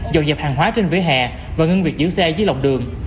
dọn dẹp hàng hóa trên vỉa hè và ngưng việc giữ xe dưới lòng đường